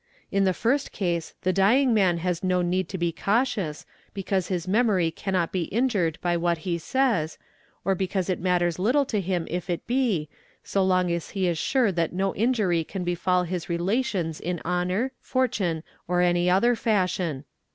In the first case the dying man has no need to be cautious because his memory cannot be injured by what he says, or because it "thatters little to him if it be, so long as he is sure that no injury can befall his relations in honour, fortune, or any other fashion.